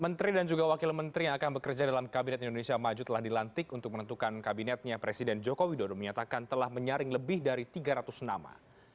menteri dan juga wakil menteri yang akan bekerja dalam kabinet indonesia maju telah dilantik untuk menentukan kabinetnya presiden joko widodo menyatakan telah menyaring lebih dari tiga ratus nama